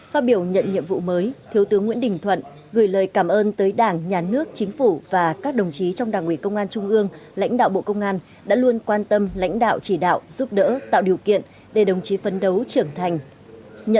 phát biểu nhận nhiệm vụ mới thiếu tướng nguyễn đình thuận gửi lời cảm ơn tới đảng nhà nước chính phủ và các đồng chí trong đảng ủy công an trung ương lãnh đạo bộ công an đã luôn quan tâm lãnh đạo chỉ đạo giúp đỡ tạo điều kiện để đồng chí phấn đấu trưởng thành